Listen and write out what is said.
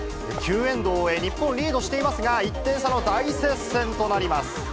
９エンドを終え、日本リードしていますが、１点差の大接戦となります。